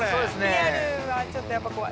リアルはちょっとやっぱ怖い。